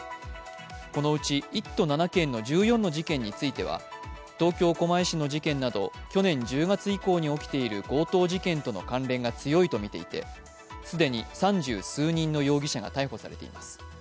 このうち１都７県の１４の事件については東京・狛江市の事件など去年１０月以降に起きている強盗事件との関連が強いとみていて、既に３０数人の容疑者が逮捕されています。